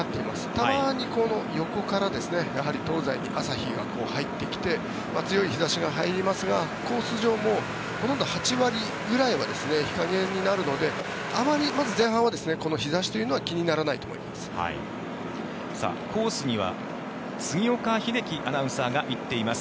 たまに横から東西に朝日が入ってきて強い日差しが入りますがコース上、８割ぐらいは日陰になるのであまり前半はこの日差しというのは気にならないと思います。